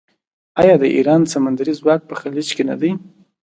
آیا د ایران سمندري ځواک په خلیج کې نه دی؟